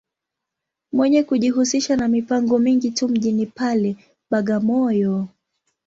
Mwenye kujihusisha ma mipango mingi tu mjini pale, Bagamoyo.